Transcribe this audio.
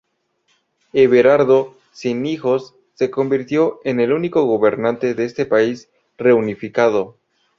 Everardo, sin hijos, se convirtió en el único gobernante de este país reunificado.